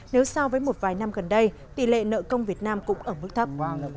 nếu so với một vài năm gần đây tỷ lệ nợ công việt nam cũng ở mức thấp